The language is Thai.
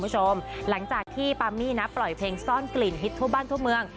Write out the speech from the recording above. หลังจากที่ปามมี่นะปล่อยเพลงซ่อนกลิ่นฮิตทั่วบ้านทั่วเมือง